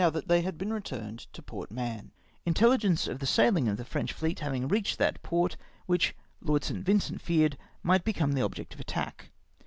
cent, with orders to return to Port Malion ; intelligence of the sailing of the French fleet having reached that port, which. Lord St. Vincent feared, might become the object of attack.